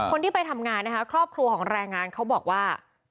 คนที่ไปทำงานนะคะครอบครัวของแรงงานเขาบอกว่า